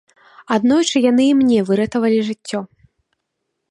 Аднойчы яны і мне выратавалі жыццё.